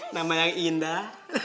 nama yang indah